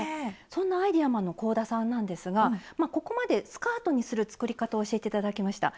そんなアイデアマンの香田さんなんですがここまでスカートにする作り方を教えて頂きました。